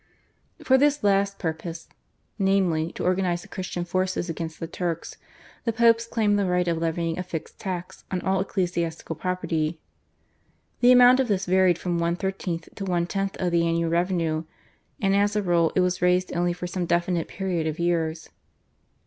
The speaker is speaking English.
For this last purpose, namely, to organise the Christian forces against the Turks, the Popes claimed the right of levying a fixed tax on all ecclesiastical property. The amount of this varied from one thirtieth to one tenth of the annual revenue, and as a rule it was raised only for some definite period of years.